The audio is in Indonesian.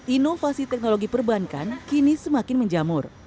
inovasi teknologi perbankan kini semakin menjamur